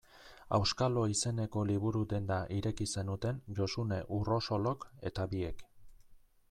Auskalo izeneko liburu-denda ireki zenuten Josune Urrosolok eta biek.